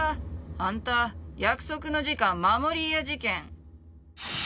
あんた約束の時間守りぃや事件。